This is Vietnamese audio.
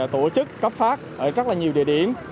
tổ chức cấp phát ở rất nhiều địa điểm